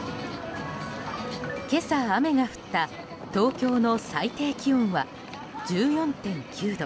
今朝、雨が降った東京の最低気温は１４．９度。